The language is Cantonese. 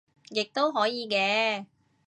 亦都可以嘅